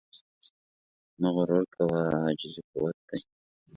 مه غرور کوه، عاجزي قوت دی.